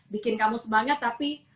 bikin kamu semangat tapi